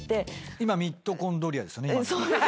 今ミトコンドリアですよね。